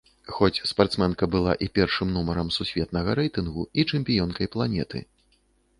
Хоць спартсменка была і першым нумарам сусветнага рэйтынгу і чэмпіёнкай планеты.